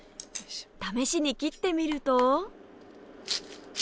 試しに切ってみると